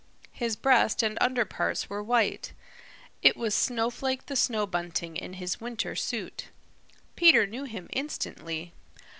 His breast and under parts were white. It was Snowflake the Snow Bunting in his winter suit. Peter knew him instantly.